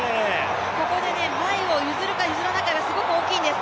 ここで前を譲るか譲らないかがすごく大きいんです。